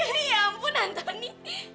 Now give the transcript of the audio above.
lili ya ampun antoni